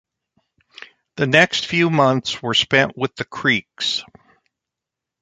The next few months were spent with the Creeks.